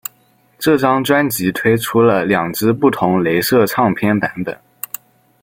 这张专辑推出了两只不同雷射唱片版本。